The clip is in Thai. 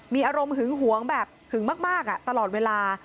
มีอารมณ์หึงหวงแบบหึงมากตลอดเวลา